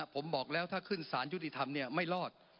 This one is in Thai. ผมบอกแล้วถ้าขึ้นสารสถิตยุติธรรมเนี่ยไม่รอด